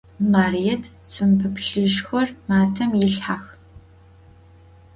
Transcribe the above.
Marıêt, tsumpe plhıjxer matem yilhhex!